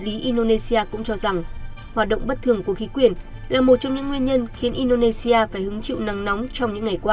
lý indonesia cũng cho rằng hoạt động bất thường của khí quyển là một trong những nguyên nhân khiến indonesia phải hứng chịu nắng nóng trong những ngày qua